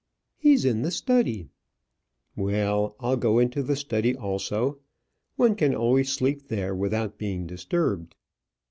"He's in the study." "Well, I'll go into the study also. One can always sleep there without being disturbed."